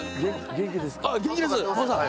元気です。